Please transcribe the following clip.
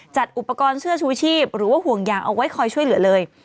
อุปกรณ์เสื้อชูชีพหรือว่าห่วงยางเอาไว้คอยช่วยเหลือเลย